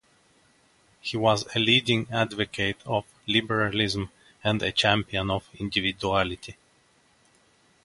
He was a leading advocate of liberalism and a champion of individuality.